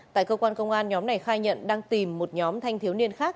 tại cơ quan công an nhóm này khai nhận đang tìm một nhóm thanh thiếu niên khác